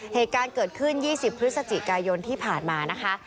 เหตุการณ์เกิดขึ้น๒๐พฤศจิกายนที่ผ่านมานะคะ